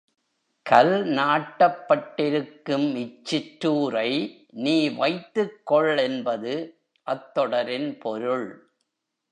கல் நாட்டப்படிருக்கும் இச் சிற்றூரை நீ வைத்துக் கொள் என்பது அத்தொடரின் பொருள்.